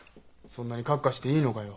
そんなにカッカしていいのかよ？